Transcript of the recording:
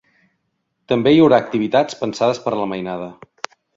També hi haurà activitats pensades per a la mainada.